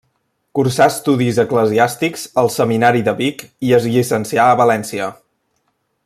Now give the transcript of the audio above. Cursà estudis eclesiàstics al seminari de Vic i es llicencià a València.